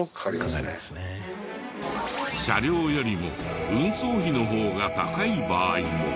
車両よりも運送費の方が高い場合も。